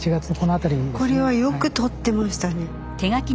これはよくとってましたね。